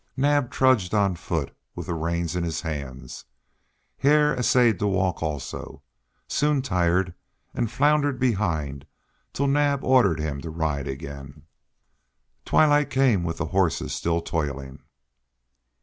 Naab trudged on foot with the reins in his hands. Hare essayed to walk also, soon tired, and floundered behind till Naab ordered him to ride again. Twilight came with the horses still toiling.